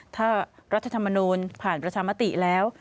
ถ้ารรัชธรรมนินทร์ผ่านประชามาติแล้ว